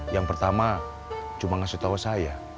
yang pertama cuma ngasih tahu saya